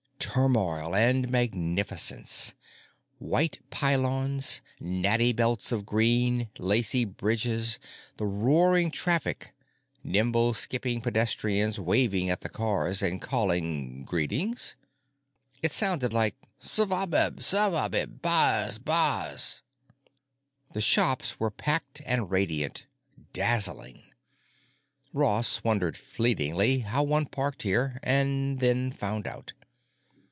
Turmoil and magnificence! White pylons, natty belts of green, lacy bridges, the roaring traffic, nimble skipping pedestrians waving at the cars and calling—greetings? It sounded like "Suvvabih! Suvvabih! Bassa bassa!" The shops were packed and radiant, dazzling. Ross wondered fleetingly how one parked here, and then found out.